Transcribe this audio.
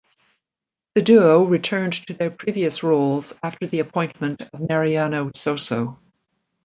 The duo returned to their previous roles after the appointment of Mariano Soso.